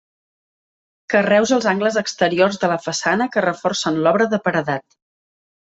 Carreus als angles exteriors de la façana que reforcen l'obra de paredat.